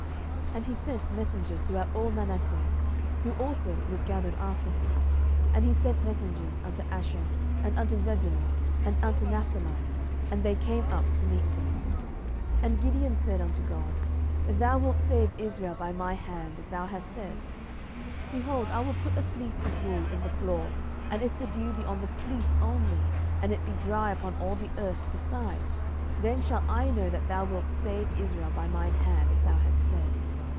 07:006:035 And he sent messengers throughout all Manasseh; who also was gathered after him: and he sent messengers unto Asher, and unto Zebulun, and unto Naphtali; and they came up to meet them. 07:006:036 And Gideon said unto God, If thou wilt save Israel by mine hand, as thou hast said, 07:006:037 Behold, I will put a fleece of wool in the floor; and if the dew be on the fleece only, and it be dry upon all the earth beside, then shall I know that thou wilt save Israel by mine hand, as thou hast said.